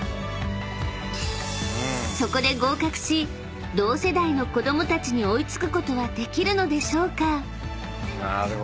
［そこで合格し同世代の子供たちに追い付くことはできるのでしょうか？］